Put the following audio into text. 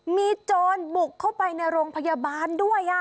มีโจรบุกเข้าไปในโรงพยาบาลด้วย